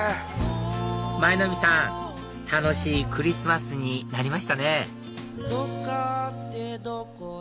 舞の海さん楽しいクリスマスになりましたね